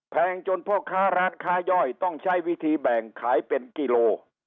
แพงจนพ่อค้าร้านค้าย่อยต้องใช้วิธีแบ่งขายเป็นกิโล